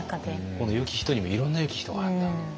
この「よき人」にもいろんなよき人があったと。